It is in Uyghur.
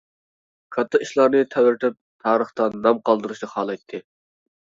كاتتا ئىشلارنى تەۋرىتىپ تارىختا نام قالدۇرۇشنى خالايتتى.